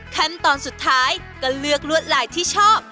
ขั้นตอนสุดท้ายก็เลือกลวดลายที่ชอบ